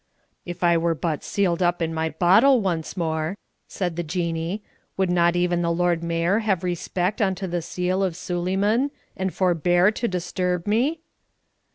"If I were but sealed up in my bottle once more," said the Jinnee, "would not even the Lord Mayor have respect unto the seal of Suleyman, and forbear to disturb me?"